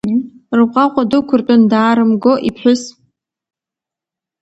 Рҟәаҟәа дықәыртәаны даарымго иԥҳәыс!